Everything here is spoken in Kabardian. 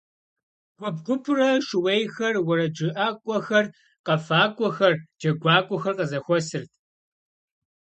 Гуп-гупурэ шууейхэр, уэрэджыӀакӀуэхэр, къэфакӀуэхэр, джэгуакӀуэхэр къызэхуэсырт.